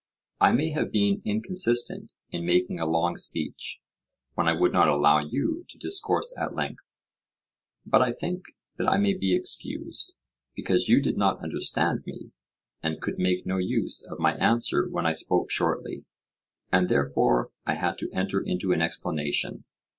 I may have been inconsistent in making a long speech, when I would not allow you to discourse at length. But I think that I may be excused, because you did not understand me, and could make no use of my answer when I spoke shortly, and therefore I had to enter into an explanation.